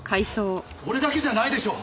俺だけじゃないでしょ。